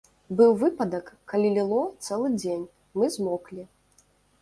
Быў выпадак, калі ліло цэлы дзень, мы змоклі.